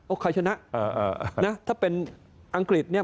ใครชนะถ้าเป็นอังกฤษเนี่ย